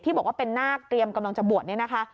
ที่บอกว่าเป็นหน้าเตรียมกำลังจะบวช